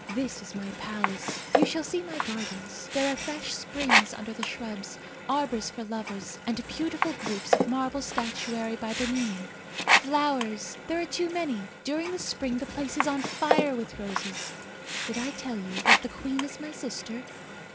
This is my palace. You shall see my gardens. There are fresh springs under the shrubs; arbours for lovers; and beautiful groups of marble statuary by Bernini. Flowers! there are too many during the spring the place is on fire with roses. Did I tell you that the queen is my sister?